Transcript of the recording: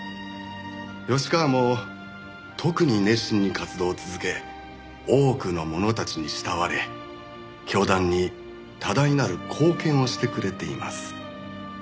吉川も特に熱心に活動を続け多くの者たちに慕われ教団に多大なる貢献をしてくれています。